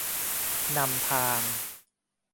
นำทาง